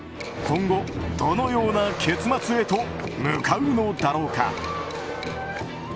今後、どのような結末へと向かうのだろうか。